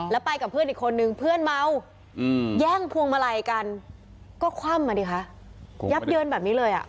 แล้วไปกับเพื่อนอีกคนนึงเพื่อนเมาแย่งพวงมาลัยกันก็คว่ำมาดิคะยับเยินแบบนี้เลยอ่ะ